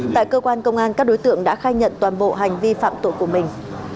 tại cơ quan công an các đối tượng đã khai nhận toàn bộ hành vi phạm tội của mình